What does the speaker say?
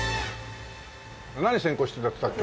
何専攻してたって言ったっけ？